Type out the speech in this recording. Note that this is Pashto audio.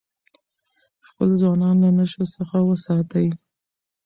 خپل ځوانان له نشو څخه وساتئ.